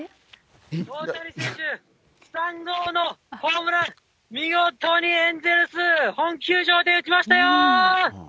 大谷選手、３号のホームラン、見事にエンゼルス本球場で打ちましたよ。